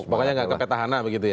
pokoknya nggak kepetahana begitu ya